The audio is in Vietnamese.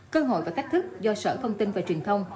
cơ hội và thách thức do sở thông tin và truyền thông